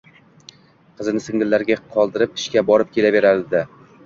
Qizini singillariga qoldirib, ishga borib kelaverdi